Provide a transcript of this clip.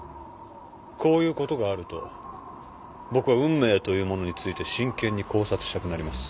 こういうことがあると僕は運命というものについて真剣に考察したくなります。